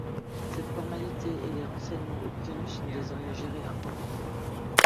Cette formalité et les renseignements obtenus sont désormais gérés informatiquement.